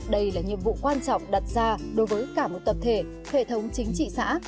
đây là nhiệm vụ quan trọng đặt ra đối với cả một tập thể hệ thống chính trị xã